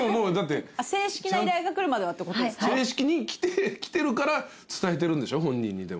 正式に来てるから伝えてるんでしょ本人にでも。